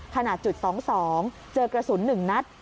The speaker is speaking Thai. ขนาดจุด๒๒เจอกระสุน๑นัด